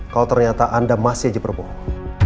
kalau ternyata anda masih aja berbohong